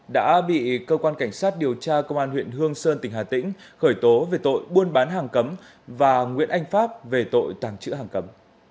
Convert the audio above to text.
đã bị cơ quan cảnh sát điều tra công an huyện hương sơn tỉnh hà tĩnh khởi tố về tội buôn bán hàng cấm và nguyễn anh pháp về tội tàng trữ hàng cấm